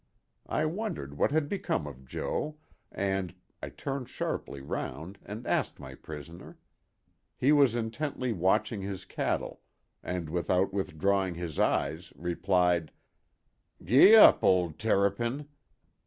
I wondered what had become of Jo., and—I turned sharply round and asked my prisoner. He was intently watching his cattle, and without withdrawing his eyes replied: "Gee up, old Terrapin!